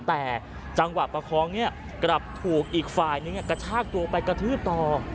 แต่จังหวะประคองเนี่ยกลับถูกอีกฝ่ายนึงกระชากตัวไปกระทืบต่อ